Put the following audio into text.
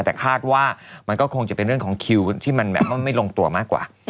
แต่คาดว่ามันก็คงจะเป็นเรื่องของคิวที่มันแบบว่าไม่ลงตัวมากกว่า